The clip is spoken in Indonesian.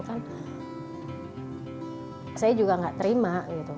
saya juga tidak terima